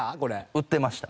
売ってました。